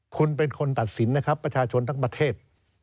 คุณเป็นคนตัดสินนะครับประชาชนทั้งประเทศ